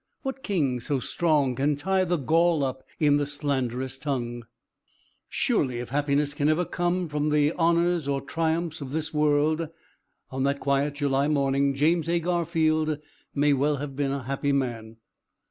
What king so strong Can tie the gall up in the slanderous tongue? "Surely, if happiness can ever come from the honors or triumphs of this world, on that quiet July morning, James A. Garfield may well have been a happy man.